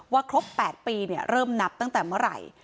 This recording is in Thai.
ว่าครบ๘ปีเนี่ยเริ่มนับตั้งแต่เมื่อไหร่